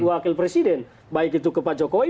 wakil presiden baik itu ke pak jokowi